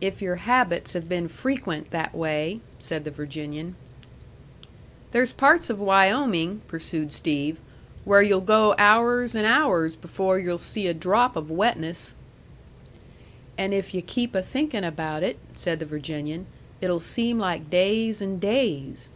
"If your habits have been frequent that way," said the Virginian. "There's parts of Wyoming," pursued Steve, "where you'll go hours and hours before you'll see a drop of wetness." "And if yu' keep a thinkin' about it," said the Virginian, "it'll seem like days and days."